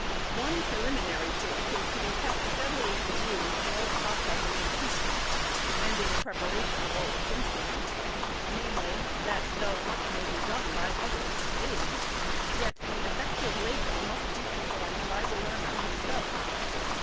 One preliminary truth is to be kept steadily in view in all the processes of teaching, and in the preparation of all its instruments ; viz., that, though much may be done by others to aid, yet the effective labor must be per formed by the learner himself.